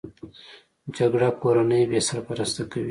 جګړه کورنۍ بې سرپرسته کوي